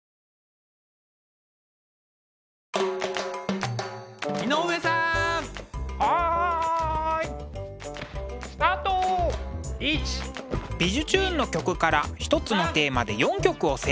「びじゅチューン！」の曲から一つのテーマで４曲をセレクト。